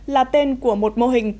là tên của một mô hình